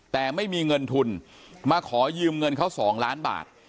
แต่ไม่มีเงินทุนมาขอยืมเงินเขา๒ล้านบาท